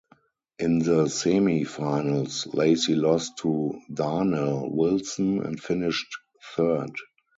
In the semi-finals, Lacy lost to Darnell Wilson and finished third.